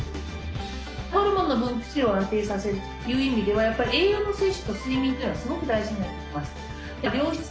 ホルモンの分泌量を安定させるという意味ではやっぱり栄養の摂取と睡眠というのはすごく大事になってきます。